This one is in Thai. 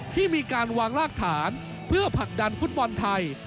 ที่มีการวางรากฐานเพื่อผลักดันฟุตบอลไทย